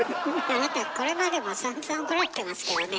あなたこれまでもさんざん怒られてますけどね。